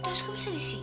biar gw kasih nukis juga